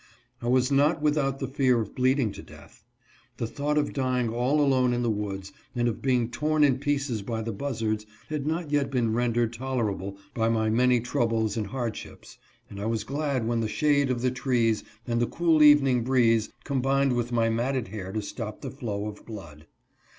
I was not without the fear of bleeding to death. The thought of dying all alone in the woods, and of being torn in pieces by the buzzards, had not yet been rendered tolerable by my many troubles and hardships, and I was glad when the shade of the trees and the cool evening breeze combined with my matted hair to stop the flow of 160 HIS SUFFERINGS. blood.